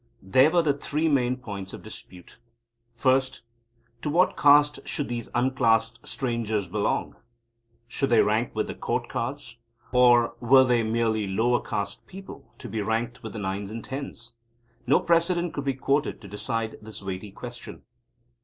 There were three main points of dispute. First, to what caste should these unclassed strangers belong? Should they rank with the Court Cards? Or were they merely lower caste people, to be ranked with the Nines and Tens? No precedent could be quoted to decide this weighty question.